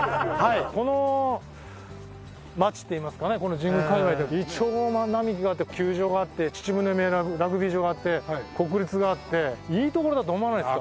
この街っていいますかね神宮界隈ではいちょう並木があって球場があって秩父宮ラグビー場があって国立があっていい所だと思わないですか？